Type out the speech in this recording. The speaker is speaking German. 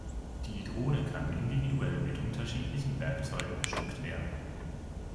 Die Drohne kann individuell mit unterschiedlichen Werkzeugen bestückt werden.